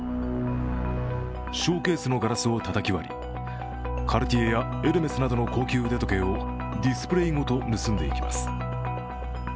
ショーケースのガラスをたたきわり、カルティエやエルメスなどの高級腕時計をディスプレーごと盗んでいきます。